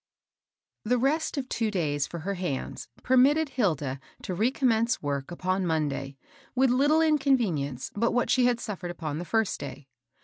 ]HE rest of two days for her hands permit ted Hilda to recommence work upon Mon day, with little inconvenience but what she had suffered upon the first day.